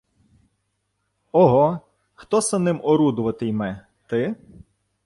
— Огої Хто се ним орудувати-йме? Ти?